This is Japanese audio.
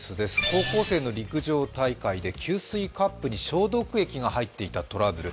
高校生の陸上大会で給水カップに消毒液が入っていたトラブル。